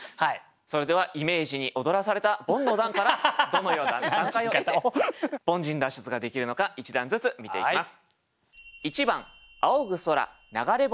それではイメージに踊らされたボンの段からどのような段階を経て凡人脱出ができるのか一段ずつ見ていきます。